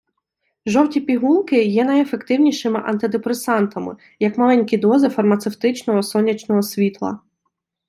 Жовті пігулки є найефективнішими антидепресантами, як маленькі дози фармацевтичного сонячного світла.